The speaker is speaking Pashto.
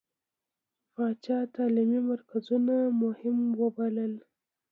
پاچا تعليمي مرکزونه مهم ووبلل.